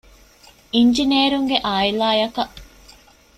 އިންޖިނޭރުންގެ ޢާއިލާ އަކަށް